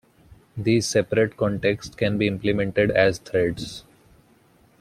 These separate contexts can be implemented as threads.